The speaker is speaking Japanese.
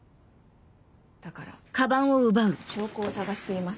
だから証拠を探しています。